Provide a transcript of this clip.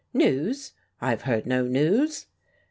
"News ! I have heard no news."